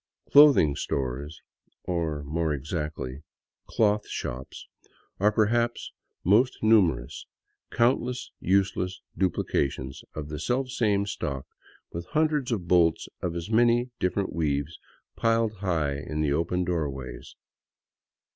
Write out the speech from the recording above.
Clothing stores, or more exactly, clothshops, are perhaps most numer ous, countless useless duplications of the selfsame stock, with hundreds of bolts of as many different weaves piled high in the open doorways.